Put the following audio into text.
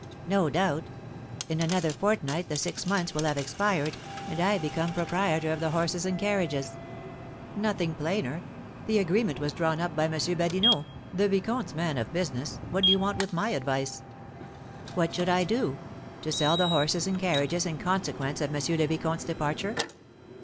"No doubt. In another fortnight the six months will have expired, and I become proprietor of the horses and carriages." "Nothing plainer. The agreement was drawn up by M. Badinot, the vicomte's man of business, what do you want with my advice?" "What should I do? To sell the horses and carriages in consequence of M. le Vicomte's departure?